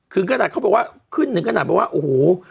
ขึ้นกระดาษเขาบอกว่าขึ้นหนึ่งกระดาษบอกว่าโอ้โห